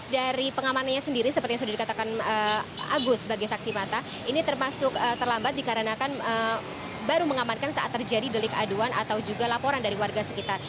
dari pengamanannya sendiri seperti yang sudah dikatakan agus sebagai saksi mata ini termasuk terlambat dikarenakan baru mengamankan saat terjadi delik aduan atau juga laporan dari warga sekitar